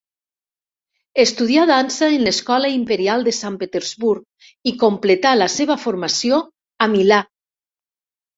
Estudià dansa en l'escola Imperial de Sant Petersburg i completà la seva formació a Milà.